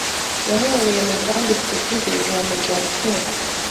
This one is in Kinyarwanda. Yahereye mu Byanditswe by’Isezerano rya Kera